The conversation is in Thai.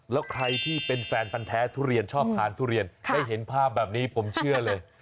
แล้วใครที่เป็นแฟนพันธ์แท้ทุเรียนชอบทานทุเรียนได้เห็นภาพแบบนี้ผมเชื่อเลย